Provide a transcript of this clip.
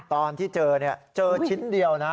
ตอนที่เจอเจอชิ้นเดียวนะ